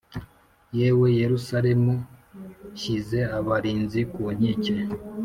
Yewe yerusalemu nshyize abarinzi ku nkike